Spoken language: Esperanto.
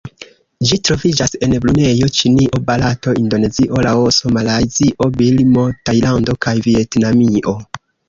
Ĝi troviĝas en Brunejo, Ĉinio, Barato, Indonezio, Laoso, Malajzio, Birmo, Tajlando kaj Vjetnamio.